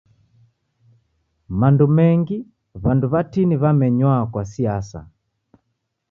Mando menmgi w'andu w'atini wamenywa kwa siasa.